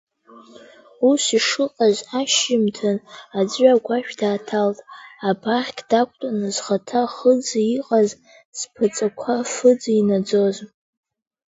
Ус ишыҟаз, ашьжьымҭан аӡәы агәашә дааҭалт, абаӷьк дақәтәаны зхаҭа хы-ӡа иҟаз, зԥаҵақәа фы-ӡа инаӡоз.